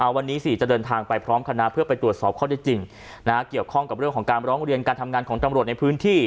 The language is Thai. วันนี้๔จะเดินทางไปพร้อมคณะเพื่อไปตรวจสอบข้อได้จริงเกี่ยวข้องกับเรื่องของการร้องเรียนการทำงานของตำรวจในพื้นที่